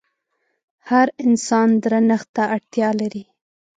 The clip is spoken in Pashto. هر انسان درنښت ته اړتيا لري.